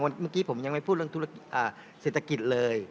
เพราะเมื่อกี้ผมยังไม่พูดเรื่องเศรษฐกิจเลย